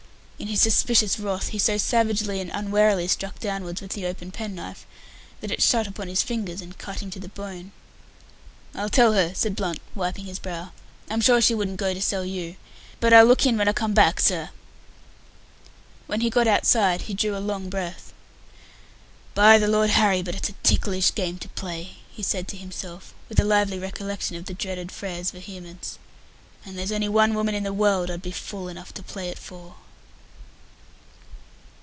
In his suspicious wrath he so savagely and unwarily struck downwards with the open pen knife that it shut upon his fingers, and cut him to the bone. "I'll tell her," said Blunt, wiping his brow. "I'm sure she wouldn't go to sell you. But I'll look in when I come back, sir." When he got outside he drew a long breath. "By the Lord Harry, but it's a ticklish game to play," he said to himself, with a lively recollection of the dreaded Frere's vehemence; "and there's only one woman in the world I'd be fool enough to play it for."